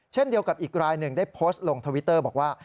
เช่นเดียวกับอีกรายหนึ่งได้โพสต์ลงทวิตเตอร์บอกว่า